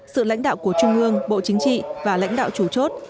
sự lãnh đạo của trung ương bộ chính trị và lãnh đạo chủ chốt